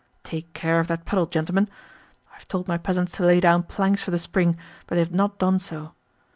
Take care of that puddle, gentlemen. I have told my peasants to lay down planks for the spring, but they have not done so.